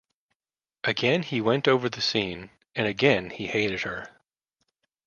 Again he went over the scene, and again he hated her.